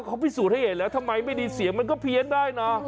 เขาพิสูจน์ให้เห็นแล้วทำไมไม่ดีเสียงมันก็เพี้ยนได้นะ